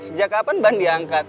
sejak kapan ban diangkat